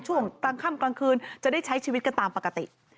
ช่วงกลางค่ำกลางคืนจะได้ใช้ชีวิตกันตามปกติ